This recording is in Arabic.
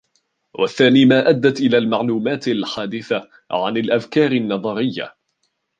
وَالثَّانِي مَا أَدَّتْ إلَى الْمَعْلُومَاتِ الْحَادِثَةِ عَنْ الْأَفْكَارِ النَّظَرِيَّةِ